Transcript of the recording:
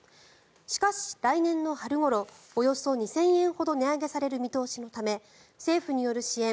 しかし、来年の春ごろおよそ２０００円ほど値上げされる見通しのため政府による支援